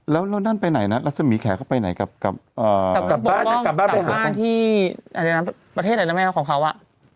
แล้วนั่นไปไหนน่ะแล้วสมีแขก็ไปไหนกลับเอ่อกลับบ้านที่ประเทศอะไรนะแม่ของเขาอ่ะ